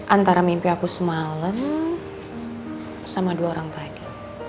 antara mimpi aku semalam sama dua orang tadi